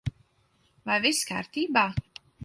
Vai viss kārtībā?